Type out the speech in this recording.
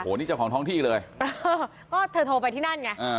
โอ้โหนี่เจ้าของท้องที่เลยก็เธอโทรไปที่นั่นไงอ่า